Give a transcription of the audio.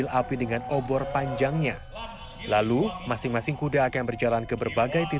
makanan makanan kalau perempuan masak masak